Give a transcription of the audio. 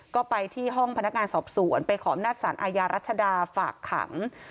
ก็ไปที่ห้องพนักงานสอบสวนไปขออำนาจสารอาญารัชดาฝากขัง